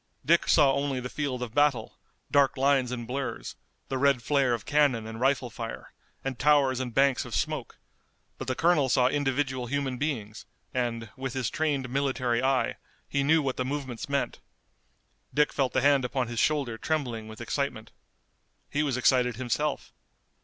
Dick saw only the field of battle, dark lines and blurs, the red flare of cannon and rifle fire, and towers and banks of smoke, but the colonel saw individual human beings, and, with his trained military eye, he knew what the movements meant. Dick felt the hand upon his shoulder trembling with excitement. He was excited himself.